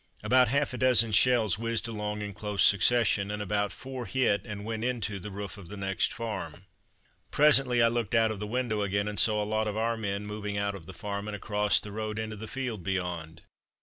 About half a dozen shells whizzed along in close succession, and about four hit and went into the roof of the next farm. Presently I looked out of the window again, and saw a lot of our men moving out of the farm and across the road into the field beyond.